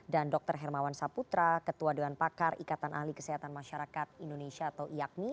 dan dr hermawan saputra ketua doan pakar ikatan ahli kesehatan masyarakat indonesia atau iakmi